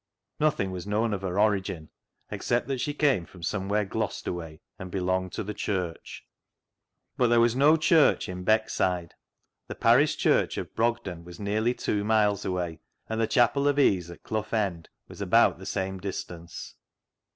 Nothing was known of her origin, except that she came from somewhere Gloucester way, and belonged to the Church. But there was no church in Beckside. The parish church of Brogden was nearly two miles away, and the chapel of ease at Clough End 202 CLOG SHOP CHRONICLES was about the same distance.